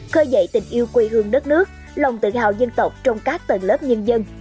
khơi dạy tình yêu quy hương đất nước lòng tự hào dân tộc trong các tầng lớp nhân dân